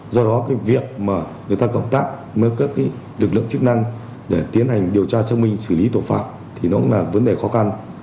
do đó cái việc mà người ta cộng tác với các lực lượng chức năng để tiến hành điều tra xác minh xử lý tội phạm thì nó cũng là vấn đề khó khăn